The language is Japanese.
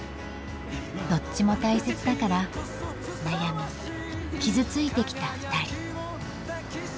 どっちも大切だから悩み傷ついてきたふたり。